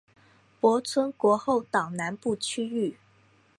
泊村国后岛南部区域。